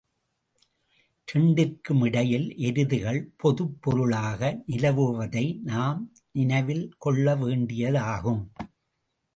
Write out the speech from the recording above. இரண்டிற்கு மிடையில் எருதுகள் பொதுப்பொருளாக நிலவுவதை நாம் நினைவில் கொள்ள வேண்டியதாகும்.